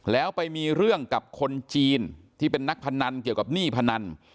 แล้วไปมีเรื่องกับคนจีนที่เป็นนักพนันเกี่ยวกับหนี้พนัน